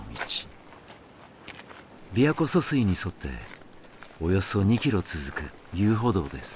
琵琶湖疏水に沿っておよそ２キロ続く遊歩道です。